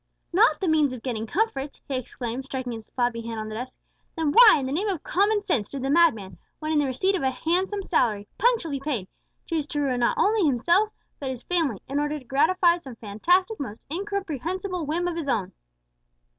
"Not the means of getting comforts!" he exclaimed, striking his flabby hand on the desk; "then why, in the name of common sense, did the madman, when in the receipt of a handsome salary punctually paid choose to ruin not only himself but his family, in order to gratify some fantastic, most incomprehensible whim of his own?"